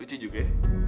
lucu juga ya